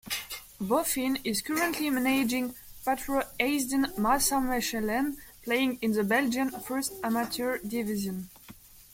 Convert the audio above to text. Boffin is currently managing Patro Eisden Maasmechelen playing in the Belgian First Amateur Division.